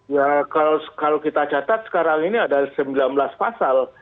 ya kalau kita catat sekarang ini ada sembilan belas pasal